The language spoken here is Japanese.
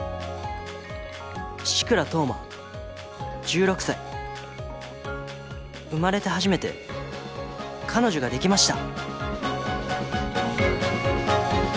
志倉刀磨１６歳生まれて初めて彼女ができました！